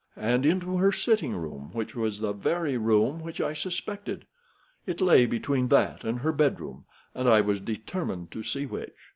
And into her sitting room, which was the very room which I suspected. It lay between that and her bedroom, and I was determined to see which.